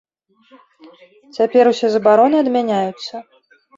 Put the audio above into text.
Цяпер усе забароны адмяняюцца.